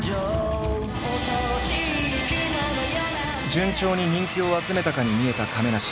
順調に人気を集めたかに見えた亀梨。